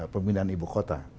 pembinaan ibu kota